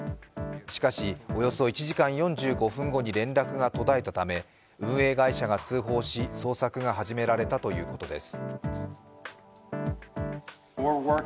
しかしおよそ１時間４５分後に連絡が途絶えたため、運営会社が通報し、捜索が始められたということです。